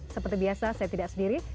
seperti biasa saya tidak sendiri